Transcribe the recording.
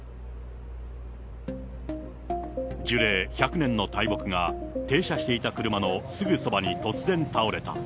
樹齢１００年の大木が、停車していた車のすぐそばに突然倒れた。